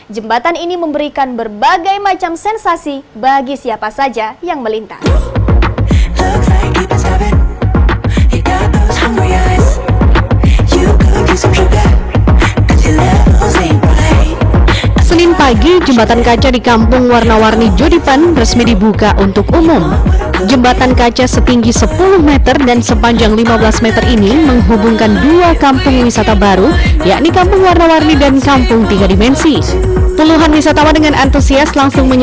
jembatan ini memberikan berbagai macam sensasi bagi siapa saja yang melintas